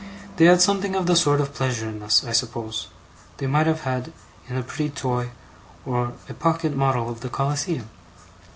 They had something of the sort of pleasure in us, I suppose, that they might have had in a pretty toy, or a pocket model of the Colosseum.